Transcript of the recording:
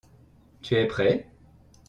Tu es prêt ?